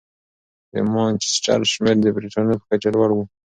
د مانچسټر شمېر د بریتانیا په کچه لوړ دی.